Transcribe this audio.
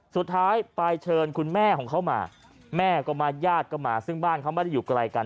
สุดท้ายไปเชิญคุณแม่ของเขามาแม่ก็มาญาติก็มาซึ่งบ้านเขาไม่ได้อยู่ไกลกัน